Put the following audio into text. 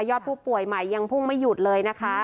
อดผู้ป่วยใหม่ยังพุ่งไม่หยุดเลยนะคะ